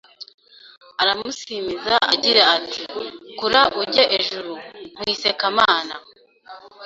Aramusimiza agira ati: “Kura uge ejuru nkwise Kamana”